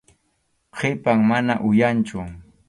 Qhipan, mana uyanchu.